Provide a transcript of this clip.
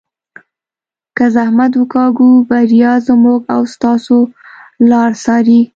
که زحمت وکاږو بریا زموږ او ستاسو لار څاري.